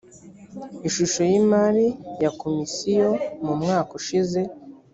ishusho y’imari ya komisiyo mu mwaka ushize